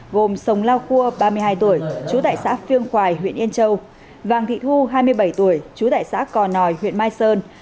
gồm sông lao cua ba mươi hai tuổi trú tại xã phiêng khoài huyện yên châu vàng thị thu hai mươi bảy tuổi chú tại xã cò nòi huyện mai sơn